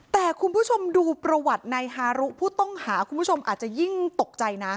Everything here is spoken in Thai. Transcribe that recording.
แต่คุณผู้ชมดูประวัติในฮารุผู้ต้องหาคุณผู้ชมอาจจะยิ่งตกใจนะ